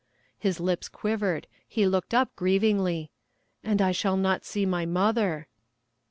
His lips quivered; he looked up grievingly: 'And I shall not see my mother.'